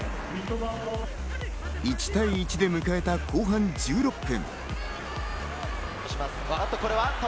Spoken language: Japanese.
１対１で迎えた後半１６分。